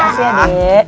makasih ya dek